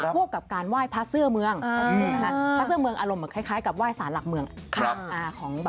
พวกกับการไหว้พระเสื้อเมืองพระเสื้อเมืองอารมณ์เหมือนคล้ายกับไหว้สารหลักเมือง